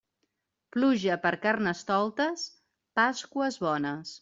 Pluja per Carnestoltes, Pasqües bones.